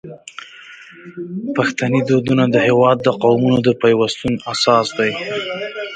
پښتني دودونه د هیواد د قومونو د پیوستون اساس دي.